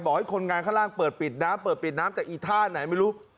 ให้คนงานข้างล่างเปิดปิดน้ำเปิดปิดน้ำแต่อีท่าไหนไม่รู้